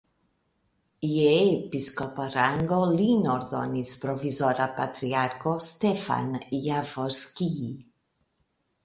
Je episkopa rango lin ordinis provizora patriarko Stefan Javorskij.